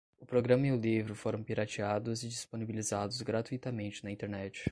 O programa e o livro foram pirateados e disponibilizados gratuitamente na internet